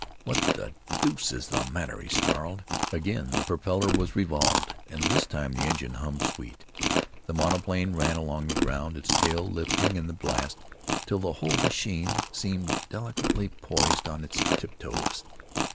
"What the deuce is the matter?" he snarled. Again the propeller was revolved, and this time the engine hummed sweet. The monoplane ran along the ground, its tail lifting in the blast, till the whole machine seemed delicately poised on its tiptoes.